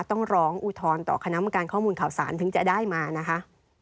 ต้องร้องอุทธรณ์ต่อคณะกรรมการข้อมูลข่าวสารถึงจะได้มานะคะ